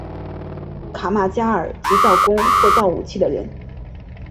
卡曼加尔即造弓或造武器的人。